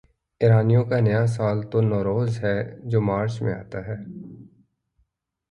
ایرانیوں کا نیا سال تو نوروز ہے جو مارچ میں آتا ہے۔